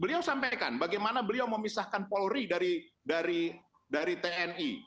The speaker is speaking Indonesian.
beliau sampaikan bagaimana beliau memisahkan polri dari tni